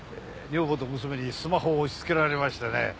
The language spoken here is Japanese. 女房と娘にスマホを押しつけられましてね。